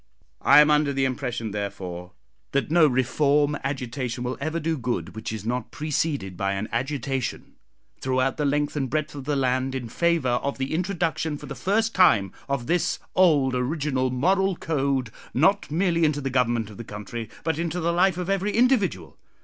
I am under the impression, therefore, that no reform agitation will ever do good which is not preceded by an agitation, throughout the length and breadth of the land, in favour of the introduction, for the first time, of this old original moral code, not merely into the government of the country, but into the life of every individual.